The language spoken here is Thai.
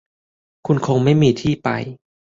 คุณคงไม่มีที่ไป